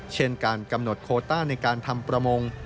เช่นการกำหนดโคต้าในการทำประมง